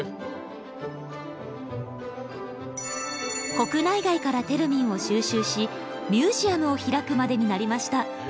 国内外からテルミンを収集しミュージアムを開くまでになりました。